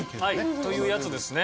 というやつですね。